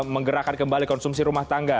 menggerakkan kembali konsumsi rumah tangga